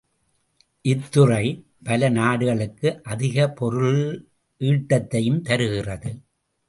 இத்துறை பல நாடுகளுக்கு அதிகப் பொருள் ஈட்டத்தையும் தருகிறது.